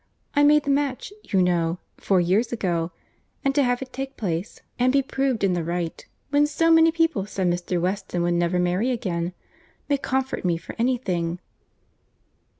I made the match, you know, four years ago; and to have it take place, and be proved in the right, when so many people said Mr. Weston would never marry again, may comfort me for any thing."